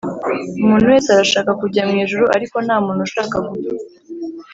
umuntu wese arashaka kujya mwijuru ariko ntamuntu ushaka gupfa